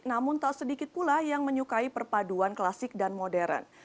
namun tak sedikit pula yang menyukai perpaduan klasik dan modern